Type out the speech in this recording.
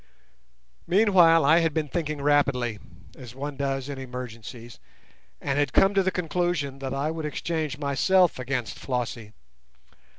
Meanwhile I had been thinking rapidly, as one does in emergencies, and had come to the conclusion that I would exchange myself against Flossie.